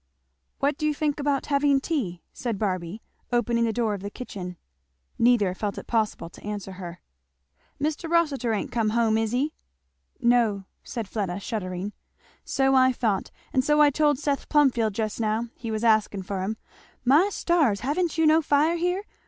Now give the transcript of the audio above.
"What do you think about having tea?" said Barby opening the door of the kitchen. Neither felt it possible to answer her. "Mr. Rossitur ain't come home, is he?" "No," said Fleda shuddering. "So I thought, and so I told Seth Plumfield just now he was asking for him My stars! ha'n't you no fire here?